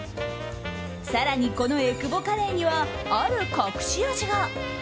更に、このえくぼカレーにはある隠し味が。